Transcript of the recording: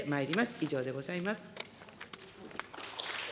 以上でございます。